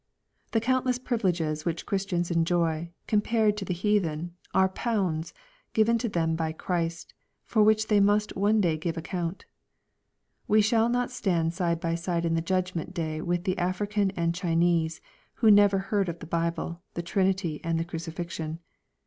The countless privileges which Christians enjoy, com pared to the heathen, are " pounds" given to them by Christ, for which they must one day give account. We shall not stand side by side in the judgment day with the African and Chinese, who never heard of the Bible, the Trinity, and the crucifixion.